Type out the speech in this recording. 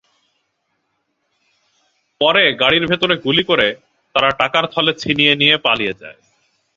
পরে গাড়ির ভেতরে গুলি করে তারা টাকার থলে ছিনিয়ে নিয়ে পালিয়ে যায়।